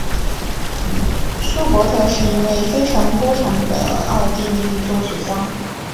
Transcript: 舒伯特是一位非常多产的奥地利作曲家。